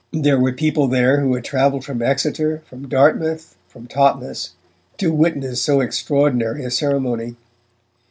There were people there who had travelled from Exeter, from Dartmouth, from Totnes, to witness so extraordinary a ceremony.